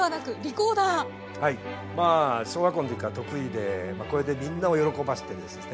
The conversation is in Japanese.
まあ小学校の時から得意でこれでみんなを喜ばしてですね